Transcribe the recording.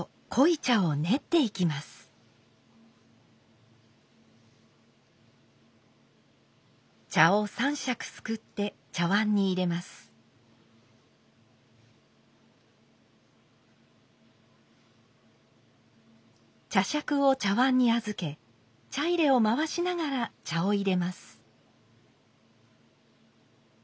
茶杓を茶碗にあずけ茶入を回しながら茶を入れます。